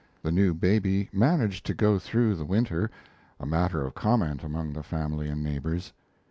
The new baby managed to go through the winter a matter of comment among the family and neighbors.